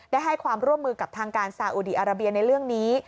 ให้ความร่วมมือกับทางการสาอุดีอาราเบียในเรื่องนี้